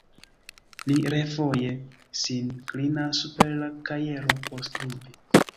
Li refoje sin klinas super la kajero por skribi.